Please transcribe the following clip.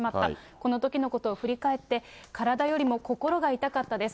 このときのことを振り返って、体よりも心が痛かったです。